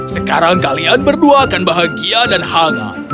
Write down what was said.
sekarang kalian berdua akan bahagia dan hangat